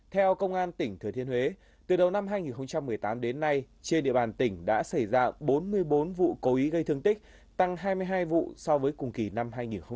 theo công an tỉnh thừa thiên huế từ đầu năm hai nghìn một mươi tám đến nay trên địa bàn tỉnh đã xảy ra bốn mươi bốn vụ cố ý gây thương tích tăng hai mươi hai vụ so với cùng kỳ năm hai nghìn một mươi bảy